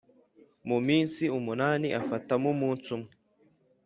mu minsi umunani ifatamo umunsi umwe